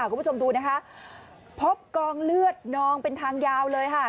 คุณผู้ชมดูนะคะพบกองเลือดนองเป็นทางยาวเลยค่ะ